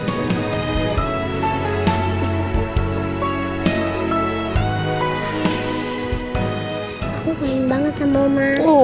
wah lain banget cendol naik